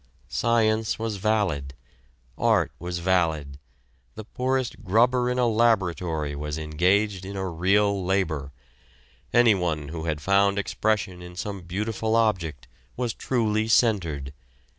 Science was valid, art was valid, the poorest grubber in a laboratory was engaged in a real labor, anyone who had found expression in some beautiful object was truly centered.